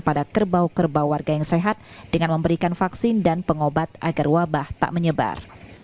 pada kerbau kerbau warga yang sehat dengan memberikan vaksin dan pengobat agar wabah tak menyebar